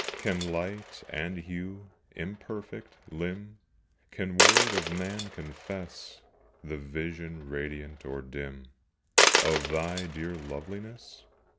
Can light and hue, imperfect, limn, Can word of man confess The vision radiant or dim Of thy dear loveliness?